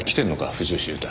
藤吉祐太。